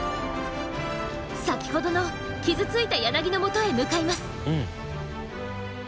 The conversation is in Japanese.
先ほどの傷ついたヤナギのもとへ向かいます。